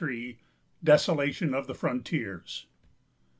DESOLATION OF THE FRONTIERS.